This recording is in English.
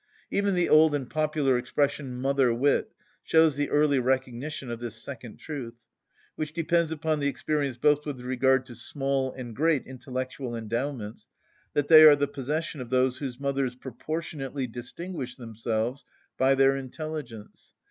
Even the old and popular expression "mother‐wit" shows the early recognition of this second truth, which depends upon the experience both with regard to small and great intellectual endowments, that they are the possession of those whose mothers proportionately distinguished themselves by their intelligence.